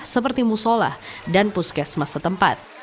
seperti musola dan puskesmas setempat